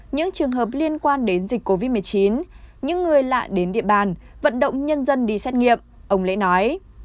những trường hợp liên quan đến dịch covid một mươi chín những người lạ đến địa bàn vận động nhân dân đi xét nghiệm ông lễ nói